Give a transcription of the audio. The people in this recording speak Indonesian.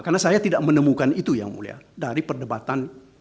karena saya tidak menemukan itu yang mulia dari perdebatan yang lain